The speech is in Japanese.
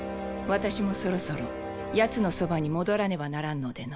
私もそろそろヤツのそばに戻らねばならんのでな。